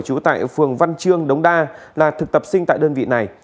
trú tại phường văn trương đống đa là thực tập sinh tại đơn vị này